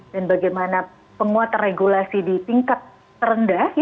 dan bagaimana penguatan regulasi di tingkat terendah